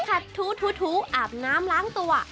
ขัดถูอาบน้ำล้างตัว